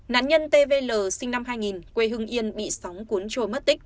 nạn nhân t v l sinh năm hai nghìn quê hưng yên bị sóng cuốn trôi mất tích